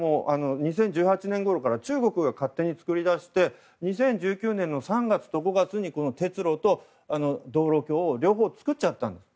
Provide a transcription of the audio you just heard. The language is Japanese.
２０１８年ごろから中国が勝手に作り出して２０１９年の３月と５月鉄路と道路橋を両方造っちゃった。